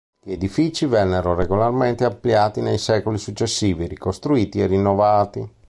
Gli edifici vennero regolarmente ampliati nei secoli successivi, ricostruiti e rinnovati.